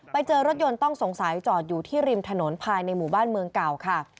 ไปเจอรถยนต์ต้องสงสัยจอดอยู่ที่ริมถนนภายในหมู่บ้านเมืองเก่าค่ะ